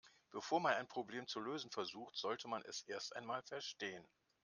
Bevor man ein Problem zu lösen versucht, sollte man es erst einmal verstehen.